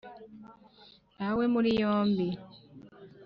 ntawe muri yombi